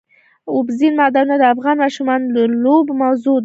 اوبزین معدنونه د افغان ماشومانو د لوبو موضوع ده.